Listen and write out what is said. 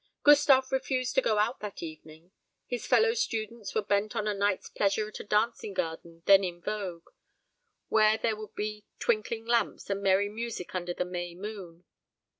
Gustave refused to go out that evening. His fellow students were bent on a night's pleasure at a dancing garden then in vogue, where there would be twinkling lamps and merry music under the May moon.